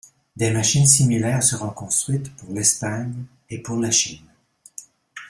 Des machines similaires seront construites pour l'Espagne et pour la Chine.